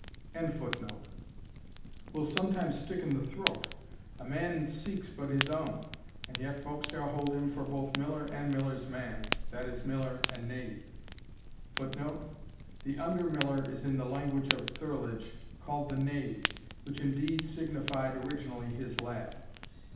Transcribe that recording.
] will sometimes stick in the throat. A man seeks but his awn, and yet folk shall hold him for both miller and miller's man, that is millar and knave, [Footnote: The under miller is, in the language of thirlage, called the knave, which, indeed, signified originally his lad.